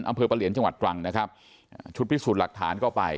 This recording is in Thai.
อำเภอประเหลียนจังหวัดตรังนะครับอ่าชุดพิสูจน์หลักฐานก็ไป